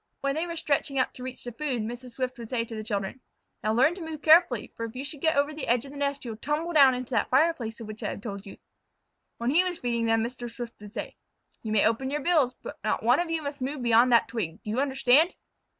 When they were stretching up to reach the food, Mrs. Swift would say to the children: "Now learn to move carefully, for if you should get over the edge of the nest you will tumble down into that fireplace of which I have told you." When he was feeding them Mr. Swift would say: "You may open your bills, but not one of you must move beyond that twig. Do you understand?"